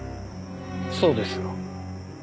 そうですよ。